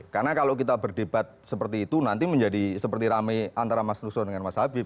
karena kalau kita berdebat seperti itu nanti menjadi seperti rame antara mas nusroh dengan mas habib